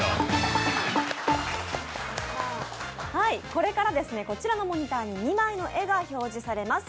これからこちらのモニターに２枚の絵が表示されます。